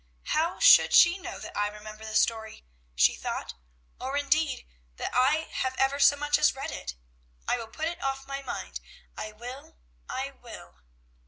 "How should she know that I remember the story?" she thought, "or, indeed, that I have ever so much as read it? I will put it off my mind; I will! I _will!